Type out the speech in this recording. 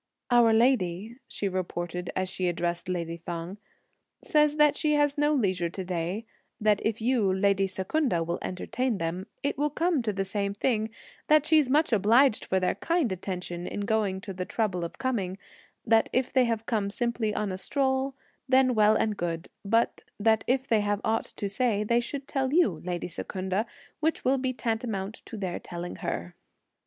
"Our lady," she reported, as she addressed lady Feng, "says that she has no leisure to day, that if you, lady Secunda, will entertain them, it will come to the same thing; that she's much obliged for their kind attention in going to the trouble of coming; that if they have come simply on a stroll, then well and good, but that if they have aught to say, they should tell you, lady Secunda, which will be tantamount to their telling her."